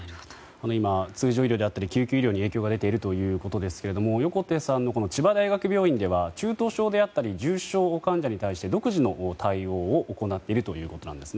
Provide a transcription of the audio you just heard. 今、通常医療であったり救急医療に影響が出ているということですが横手さんの千葉大学病院では中等症であったり重症患者に対して独自の対応を行っているということなんです。